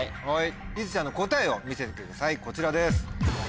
りづちゃんの答えを見せてくださいこちらです。